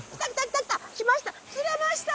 釣れました！